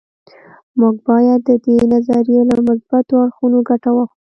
موږ باید د دې نظریې له مثبتو اړخونو ګټه واخلو